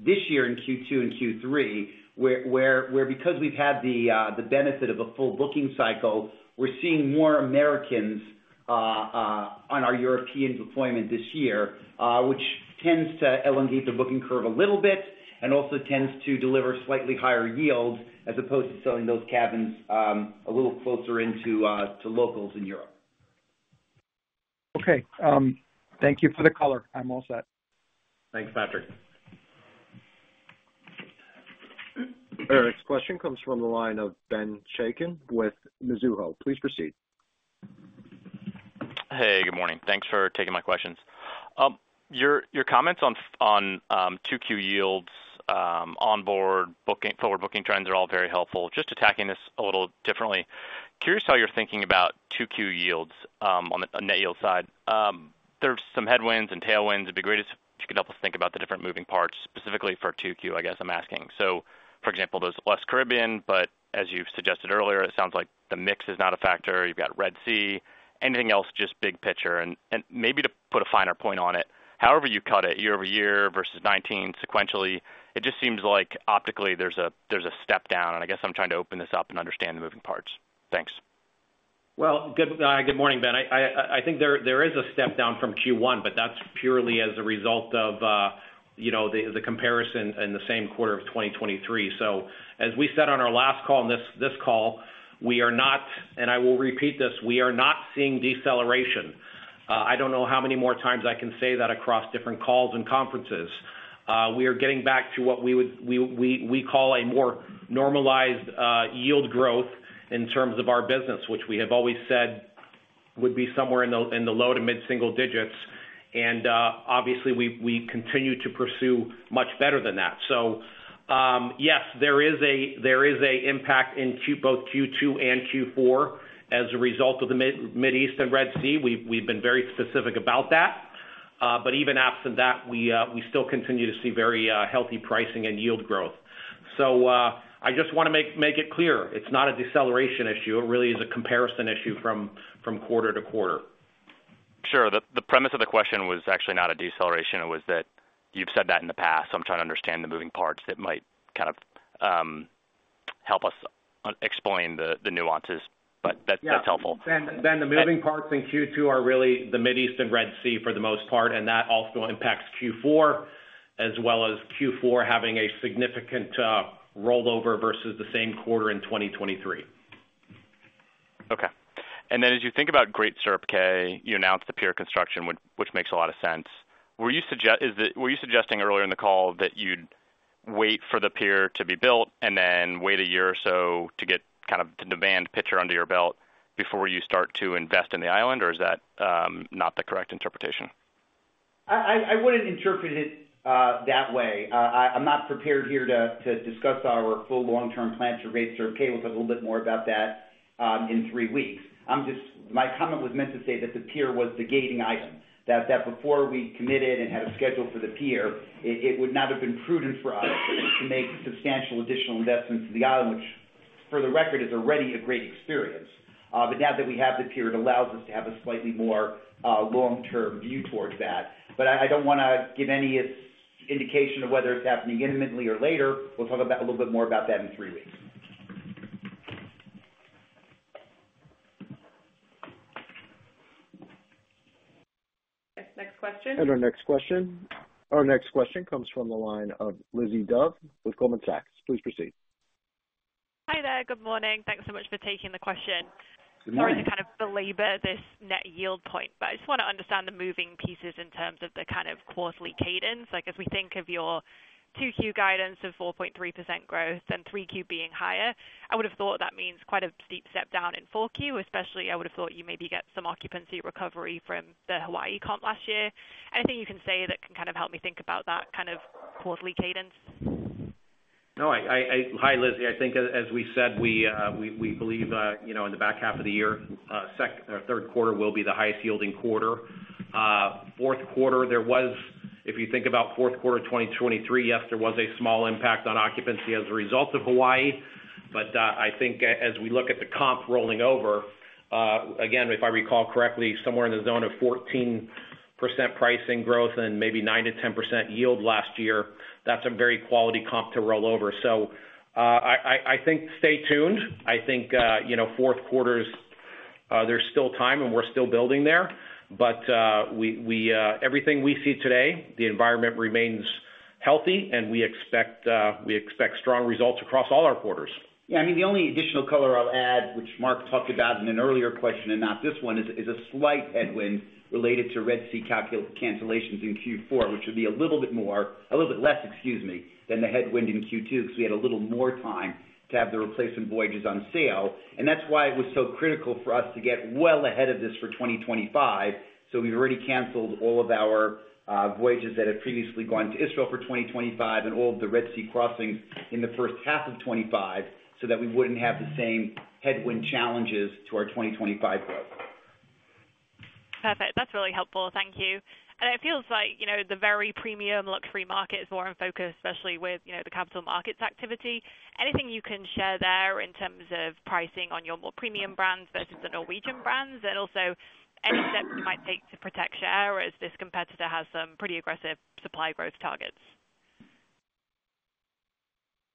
this year in Q2 and Q3, where because we've had the benefit of a full booking cycle, we're seeing more Americans on our European deployment this year, which tends to elongate the booking curve a little bit, and also tends to deliver slightly higher yields, as opposed to selling those cabins a little closer into to locals in Europe. Okay. Thank you for the color. I'm all set. Thanks, Patrick. Our next question comes from the line of Ben Chaiken with Mizuho. Please proceed. Hey, good morning. Thanks for taking my questions. Your comments on 2Q yields, onboard booking, forward booking trends are all very helpful. Just attacking this a little differently, curious how you're thinking about 2Q yields on the net yield side. There's some headwinds and tailwinds. It'd be great if you could help us think about the different moving parts, specifically for 2Q, I guess I'm asking. So, for example, there's less Caribbean, but as you've suggested earlier, it sounds like the mix is not a factor. You've got Red Sea. Anything else, just big picture, and, and maybe to put a finer point on it, however you cut it, year-over-year versus 2019 sequentially, it just seems like optically there's a, there's a step down, and I guess I'm trying to open this up and understand the moving parts. Thanks. Well, good morning, Ben. I think there is a step down from Q1, but that's purely as a result of, you know, the comparison in the same quarter of 2023. So as we said on our last call and this call, we are not, and I will repeat this, we are not seeing deceleration. I don't know how many more times I can say that across different calls and conferences. We are getting back to what we call a more normalized yield growth in terms of our business, which we have always said would be somewhere in the low to mid-single digits, and obviously, we continue to pursue much better than that. So, yes, there is a impact in Q Both Q2 and Q4 as a result of the Middle East and Red Sea. We've been very specific about that. But even absent that, we still continue to see very healthy pricing and yield growth. So, I just wanna make it clear, it's not a deceleration issue, it really is a comparison issue from quarter to quarter. Sure. The premise of the question was actually not a deceleration. It was that you've said that in the past, so I'm trying to understand the moving parts that might kind of help us explain the nuances, but that's- Yeah. That's helpful. Then the moving parts in Q2 are really the Middle East and Red Sea for the most part, and that also impacts Q4, as well as Q4 having a significant rollover versus the same quarter in 2023. Okay. Then as you think about Great Stirrup Cay, you announced the pier construction, which makes a lot of sense. Were you suggesting earlier in the call that you'd wait for the pier to be built and then wait a year or so to get kind of the demand picture under your belt before you start to invest in the island? Or is that not the correct interpretation? I wouldn't interpret it that way. I'm not prepared here to discuss our full long-term plans for Great Stirrup Cay. We'll talk a little bit more about that in three weeks. I'm just—My comment was meant to say that the pier was the gating item. That before we committed and had a schedule for the pier, it would not have been prudent for us to make substantial additional investments to the island, which, for the record, is already a great experience. But now that we have the pier, it allows us to have a slightly more long-term view towards that. But I don't wanna give any indication of whether it's happening imminently or later. We'll talk a little bit more about that in three weeks. Next question. Our next question. Our next question comes from the line of Lizzie Dove with Goldman Sachs. Please proceed. Hi there. Good morning. Thanks so much for taking the question. Good morning. Sorry to kind of belabor this net yield point, but I just want to understand the moving pieces in terms of the kind of quarterly cadence. Like, as we think of your 2Q guidance of 4.3% growth and 3Q being higher, I would have thought that means quite a steep step down in 4Q, especially, I would have thought you maybe get some occupancy recovery from the Hawaii comp last year. Anything you can say that can kind of help me think about that kind of quarterly cadence? No, Hi, Lizzie. I think as we said, we believe, you know, in the back half of the year, third quarter will be the highest yielding quarter. Fourth quarter, if you think about fourth quarter of 2023, yes, there was a small impact on occupancy as a result of Hawaii, but, I think as we look at the comp rolling over, again, if I recall correctly, somewhere in the zone of 14% pricing growth and maybe 9%-10% yield last year, that's a very quality comp to roll over. So, I think stay tuned. I think, you know, fourth quarter's, there's still time and we're still building there. But, we, everything we see today, the environment remains-... healthy, and we expect, we expect strong results across all our quarters. Yeah, I mean, the only additional color I'll add, which Mark talked about in an earlier question and not this one, is a slight headwind related to Red Sea cancellations in Q4, which would be a little bit less, excuse me, than the headwind in Q2, because we had a little more time to have the replacement voyages on sale. And that's why it was so critical for us to get well ahead of this for 2025. So we've already canceled all of our voyages that had previously gone to Israel for 2025 and all of the Red Sea crossings in the first half of 2025, so that we wouldn't have the same headwind challenges to our 2025 growth. Perfect. That's really helpful. Thank you. And it feels like, you know, the very premium luxury market is more in focus, especially with, you know, the capital markets activity. Anything you can share there in terms of pricing on your more premium brands versus the Norwegian brands? And also, any steps you might take to protect share, as this competitor has some pretty aggressive supply growth targets?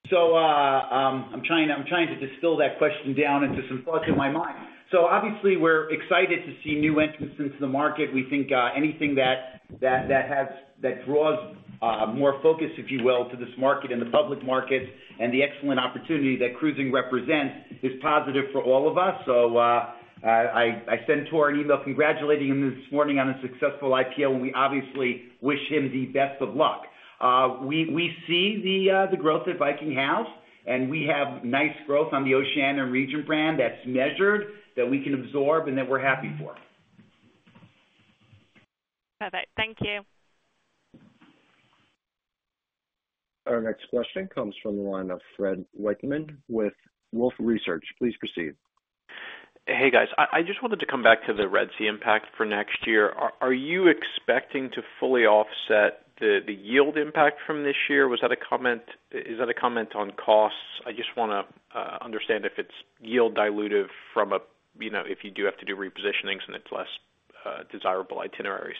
So, I'm trying to distill that question down into some thoughts in my mind. So obviously, we're excited to see new entrants into the market. We think anything that draws more focus, if you will, to this market and the public market and the excellent opportunity that cruising represents, is positive for all of us. So, I sent Tor an email congratulating him this morning on a successful IPO, and we obviously wish him the best of luck. We see the growth that Viking has, and we have nice growth on the Oceania, Regent brand that's measured, that we can absorb and that we're happy for. Perfect. Thank you. Our next question comes from the line of Fred Wightman with Wolfe Research. Please proceed. Hey, guys. I just wanted to come back to the Red Sea impact for next year. Are you expecting to fully offset the yield impact from this year? Was that a comment? Is that a comment on costs? I just want to understand if it's yield dilutive from a, you know, if you do have to do repositionings and it's less desirable itineraries.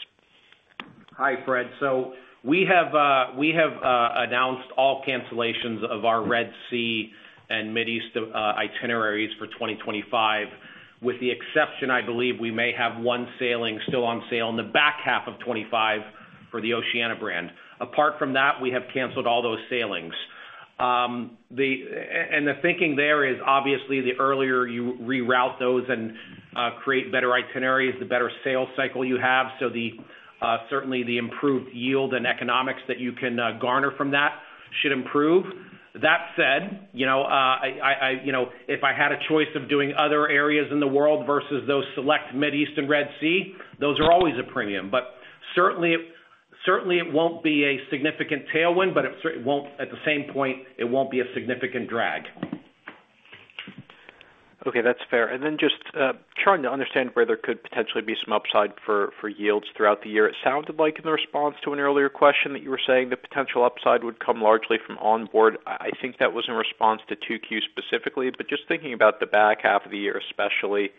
Hi, Fred. So we have announced all cancellations of our Red Sea and Middle East itineraries for 2025, with the exception, I believe we may have one sailing still on sale in the back half of 2025 for the Oceania brand. Apart from that, we have canceled all those sailings. The thinking there is, obviously, the earlier you reroute those and create better itineraries, the better sales cycle you have. So certainly the improved yield and economics that you can garner from that should improve. That said, you know, if I had a choice of doing other areas in the world versus those select Middle East and Red Sea, those are always a premium, but certainly it won't be a significant tailwind, but it won't. At the same point, it won't be a significant drag. Okay, that's fair. And then just, trying to understand where there could potentially be some upside for, for yields throughout the year. It sounded like in the response to an earlier question, that you were saying the potential upside would come largely from on board. I, I think that was in response to 2Q specifically, but just thinking about the back half of the year, especially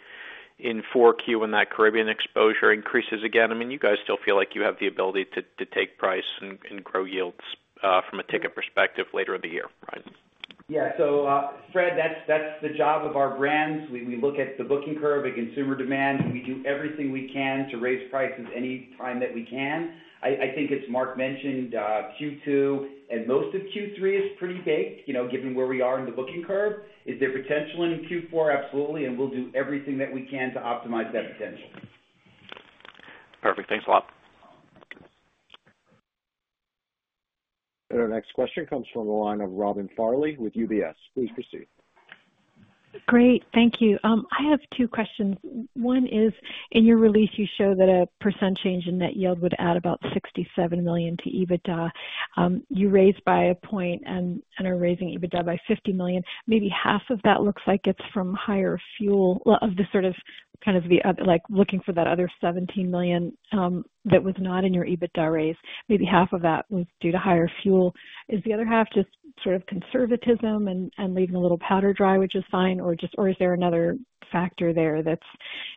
in 4Q, when that Caribbean exposure increases again, I mean, you guys still feel like you have the ability to, to take price and, and grow yields, from a ticket perspective later in the year, right? Yeah. So, Fred, that's the job of our brands. We look at the booking curve and consumer demand, and we do everything we can to raise prices any time that we can. I think, as Mark mentioned, Q2 and most of Q3 is pretty baked, you know, given where we are in the booking curve. Is there potential in Q4? Absolutely. And we'll do everything that we can to optimize that potential. Perfect. Thanks a lot. Our next question comes from the line of Robin Farley with UBS. Please proceed. Great, thank you. I have two questions. One is, in your release, you show that a 1% change in net yield would add about $67 million to EBITDA. You raised by 1 point and are raising EBITDA by $50 million. Maybe half of that looks like it's from higher fuel. Well, of the sort of, kind of other—like, looking for that other $17 million, that was not in your EBITDA raise, maybe half of that was due to higher fuel. Is the other half just sort of conservatism and leaving a little powder dry, which is fine, or is there another factor there that's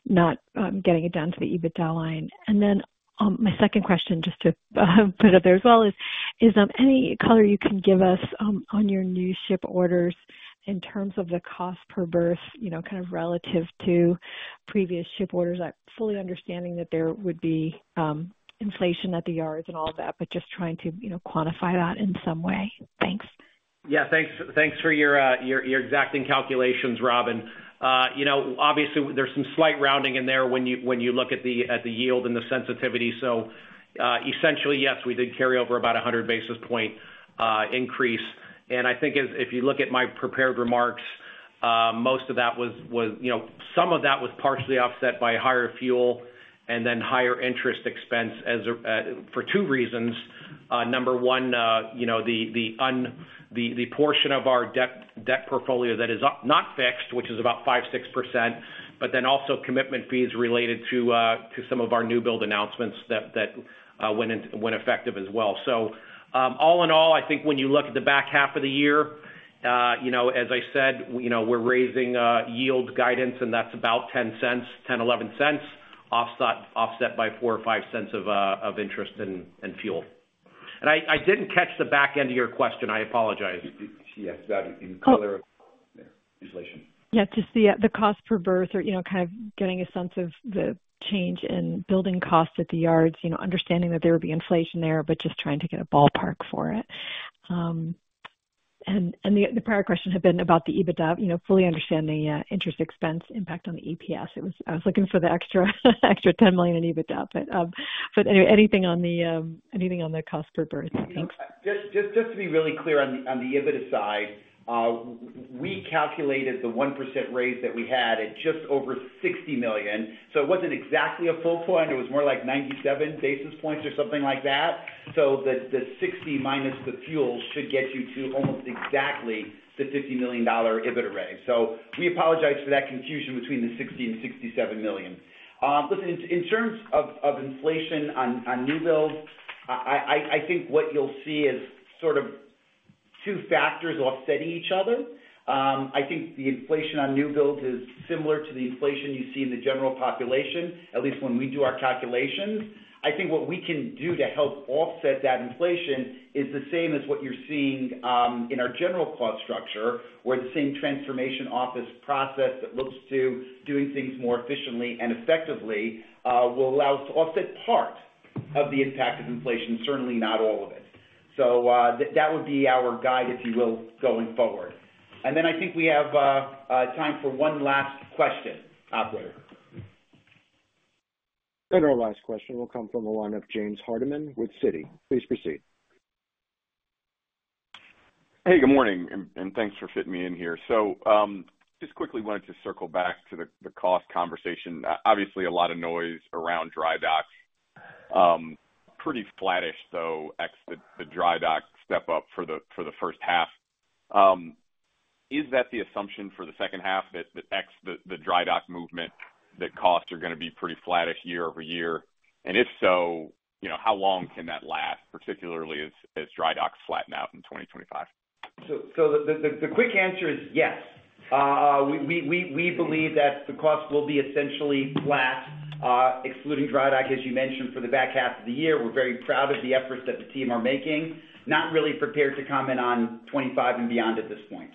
not getting it down to the EBITDA line? And then, my second question, just to put it out there as well is any color you can give us on your new ship orders in terms of the cost per berth, you know, kind of relative to previous ship orders? I'm fully understanding that there would be inflation at the yards and all of that, but just trying to, you know, quantify that in some way. Thanks. Yeah, thanks. Thanks for your exacting calculations, Robin. You know, obviously there's some slight rounding in there when you look at the yield and the sensitivity. So, essentially, yes, we did carry over about 100 basis point increase. And I think if you look at my prepared remarks, most of that was, you know, some of that was partially offset by higher fuel and then higher interest expense for two reasons. Number one, you know, the portion of our debt portfolio that is unfixed, which is about 5-6%, but then also commitment fees related to some of our new build announcements that went effective as well. So, all in all, I think when you look at the back half of the year, you know, as I said, you know, we're raising yield guidance, and that's about $0.10-$0.11, offset by $0.04 or $0.05 of interest and fuel. And I didn't catch the back end of your question. I apologize. Yes, got it. Any color- Yeah, to see the cost per berth or, you know, kind of getting a sense of the change in building costs at the yards, you know, understanding that there would be inflation there, but just trying to get a ballpark for it. And the prior question had been about the EBITDA, you know, fully understanding interest expense impact on the EPS. I was looking for the extra extra $10 million in EBITDA. But anything on the cost per berth? Thanks. Just to be really clear on the EBITDA side, we calculated the 1% raise that we had at just over $60 million. So it wasn't exactly a full point. It was more like 97 basis points or something like that. So the $60 minus the fuel should get you to almost exactly the $50 million EBITDA raise. So we apologize for that confusion between the $60 and $67 million. Listen, in terms of inflation on new builds, I think what you'll see is sort of two factors offsetting each other. I think the inflation on new builds is similar to the inflation you see in the general population, at least when we do our calculations. I think what we can do to help offset that inflation is the same as what you're seeing in our general cost structure, where the same transformation office process that looks to doing things more efficiently and effectively will allow us to offset part of the impact of inflation, certainly not all of it. So, that would be our guide, if you will, going forward. And then I think we have time for one last question. Operator? Our last question will come from the line of James Hardiman with Citi. Please proceed. Hey, good morning, and thanks for fitting me in here. So, just quickly wanted to circle back to the cost conversation. Obviously, a lot of noise around dry docks. Pretty flattish, though, ex the dry dock step up for the first half. Is that the assumption for the second half, that ex the dry dock movement, costs are gonna be pretty flattish year-over-year? And if so, you know, how long can that last, particularly as dry docks flatten out in 2025? So the quick answer is yes. We believe that the cost will be essentially flat, excluding dry dock, as you mentioned, for the back half of the year. We're very proud of the efforts that the team are making. Not really prepared to comment on 25 and beyond at this point.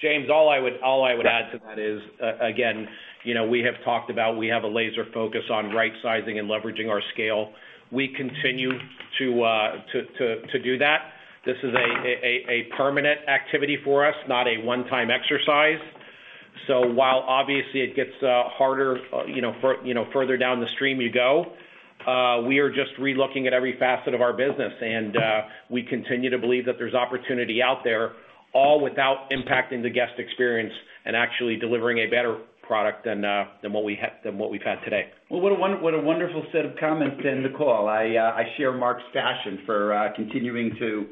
James, all I would add to that is, again, you know, we have talked about we have a laser focus on right sizing and leveraging our scale. We continue to do that. This is a permanent activity for us, not a one-time exercise. So while obviously it gets harder, you know, for you know, further down the stream you go, we are just relooking at every facet of our business, and we continue to believe that there's opportunity out there, all without impacting the guest experience and actually delivering a better product than what we've had today. Well, what a wonderful set of comments to end the call. I share Mark's passion for continuing to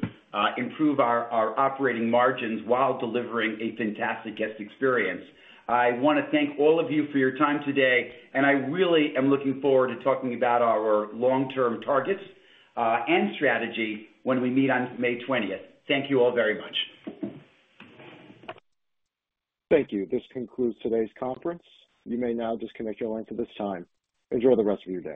improve our operating margins while delivering a fantastic guest experience. I want to thank all of you for your time today, and I really am looking forward to talking about our long-term targets and strategy when we meet on May twentieth. Thank you all very much. Thank you. This concludes today's conference. You may now disconnect your line for this time. Enjoy the rest of your day.